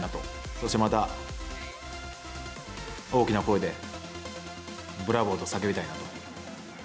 そしてまた、大きな声でブラボーと叫びたいなと。